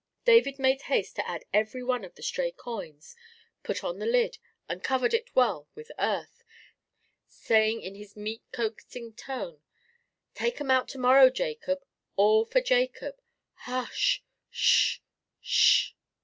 David made haste to add every one of the stray coins, put on the lid, and covered it well with earth, saying in his meet coaxing tone— "Take 'm out to morrow, Jacob; all for Jacob! Hush—sh—sh!"